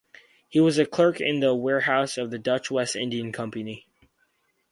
He was a clerk in the warehouse of the Dutch West India company.